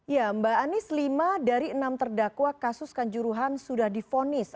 ya mbak anies lima dari enam terdakwa kasus kanjuruhan sudah difonis